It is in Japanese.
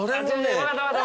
分かった分かった！